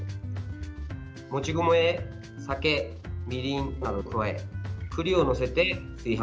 もち米へ酒、みりんなどを加え栗を載せて炊飯します。